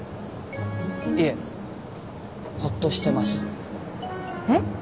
いえホッとしてます。えっ？